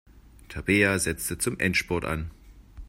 Tabea setzte zum Endspurt an.